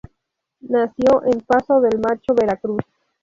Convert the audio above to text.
Nació en Paso del Macho, Veracruz.